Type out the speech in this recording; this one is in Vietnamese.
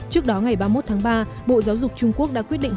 trước đó ngày ba mươi một tháng ba bộ giáo dục trung quốc đã quyết định